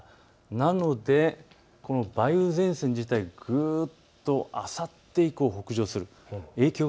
なので梅雨前線自体がぐっとあさって以降、北上する。